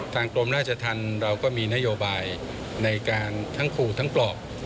กรมราชธรรมเราก็มีนโยบายในการทั้งขู่ทั้งปลอบ